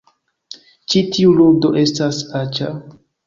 Ĉi tiu ludo estas aĉa